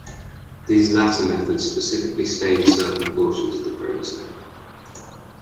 These latter methods specifically stain certain portions of the chromosome.